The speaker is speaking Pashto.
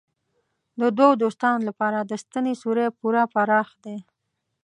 د دوو دوستانو لپاره د ستنې سوری پوره پراخ دی.